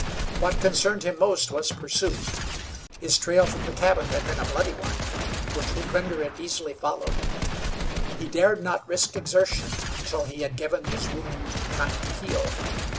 What concerned him most was pursuit. His trail from the cabin had been a bloody one, which would render it easily followed. He dared not risk exertion until he had given his wound time to heal.